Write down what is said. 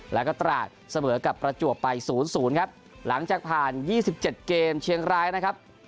แล้วก็ตราดเสมอกับประจวบไปศูนย์ศูนย์ครับหลังจากผ่านยี่สิบเจ็ดเกมเชียงรายนะครับ